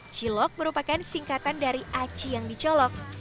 cilok merupakan singkatan dari aci yang dicolok